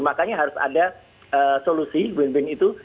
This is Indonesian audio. makanya harus ada solusi win win itu